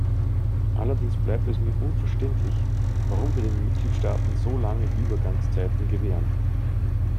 Allerdings bleibt es mir unverständlich, warum wir den Mitgliedstaaten so lange Übergangszeiten gewähren.